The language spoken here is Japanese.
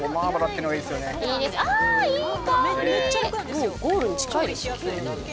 もうゴールに近いですよ